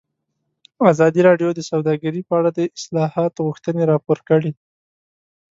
ازادي راډیو د سوداګري په اړه د اصلاحاتو غوښتنې راپور کړې.